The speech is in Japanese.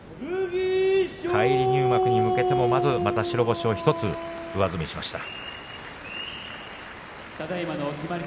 返り入幕に向けてもまた白星を１つ上積みしました。